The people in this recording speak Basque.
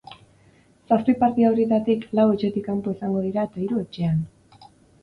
Zazpi partida horietatik, lau etxetik kanpo izango dira eta hiru, etxean.